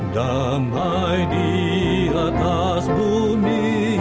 damai di atas bumi